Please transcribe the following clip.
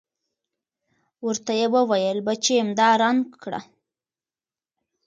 ورته يې وويل بچېم دا رنګ کړه.